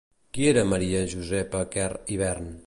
Qui era Maria Josepa Quer Ivern?